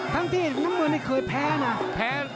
ทั้งที่น้ำเงินเคยแพ้นะ